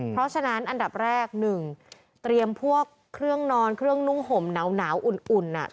เพราะฉะนั้นอันดับแรก๑เตรียมพวกเครื่องนอนเครื่องนุ่งห่มหนาวอุ่น